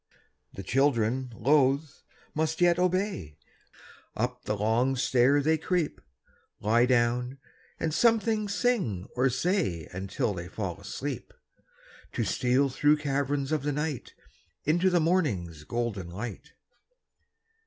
The children, loath, must yet obey; Up the long stair they creep; Lie down, and something sing or say Until they fall asleep, To steal through caverns of the night Into the morning's golden light.